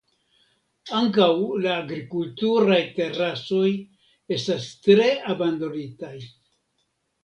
Ankaŭ la agrikulturaj terasoj estas tre abandonitaj.